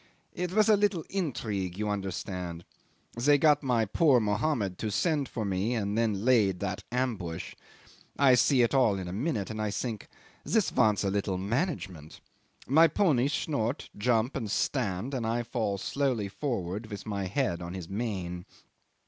It was a little intrigue, you understand. They got my poor Mohammed to send for me and then laid that ambush. I see it all in a minute, and I think This wants a little management. My pony snort, jump, and stand, and I fall slowly forward with my head on his mane.